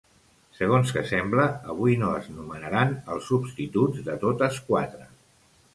Segons que sembla, avui no es nomenaran els substituts de totes quatre.